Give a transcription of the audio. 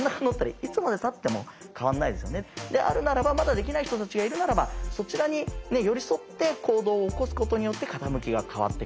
であるならばまだできない人たちがいるならばそちらに寄り添って行動を起こすことによって傾きが変わってく。